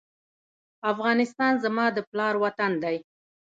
افغانستان زما د پلار وطن دی